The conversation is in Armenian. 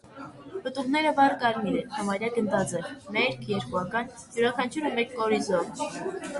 Պտուղները վառ կարմիր են, համարյա գնդաձև, մերկ, երկուական, յուրաքանչյուրը մեկ կորիզով։